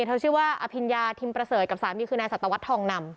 เธอชื่อว่าอภิญญาทิมประเสยกับสามีคืนนายสัตวัสดิ์ทองนำ